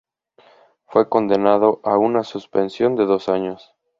Fue condenado a una suspensión de dos años.